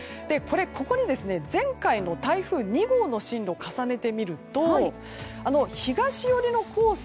ここに、前回の台風２号の進路を重ねてみると、東寄りのコース